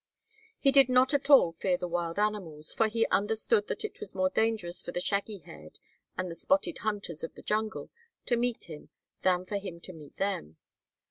He did not at all fear the wild animals, for he understood that it was more dangerous for the shaggy haired and the spotted hunters of the jungle to meet him than for him to meet them.